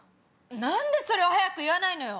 何でそれを早く言わないのよ！